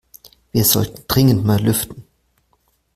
Wir sollten dringend mal lüften.